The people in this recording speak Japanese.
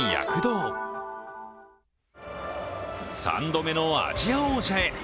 ３度目のアジア王者へ。